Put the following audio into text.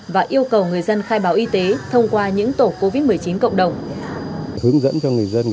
và yêu cầu người dân khai báo y tế thông qua những tổ covid một mươi chín cộng đồng